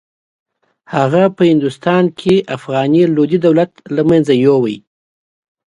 هغه په هندوستان کې افغاني لودي دولت له منځه یووړ.